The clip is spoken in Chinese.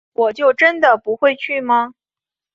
我就真的不会去吗